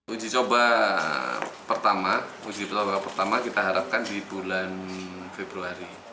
uji coba pertama uji coba pertama kita harapkan di bulan februari